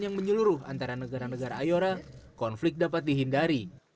yang menyeluruh antara negara negara iora konflik dapat dihindari